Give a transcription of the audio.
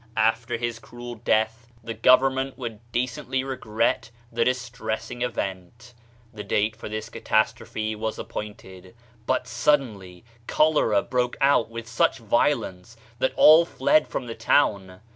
After his cruel death the govern ment would decently regret the distressing event. The date for this catastrophe was ap pointed, but suddenly cholera broke out with such violence that all fled from the town.